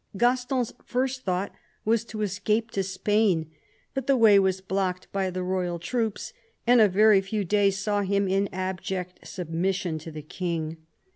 Gaston's first thought was to escape to Spain, but the way was . blocked by the royal troops, and a very few days saw him in abject submission to the King.